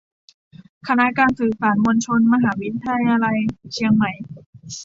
คณะการสื่อสารมวลชน มหาวิทยาลัยเชียงใหม่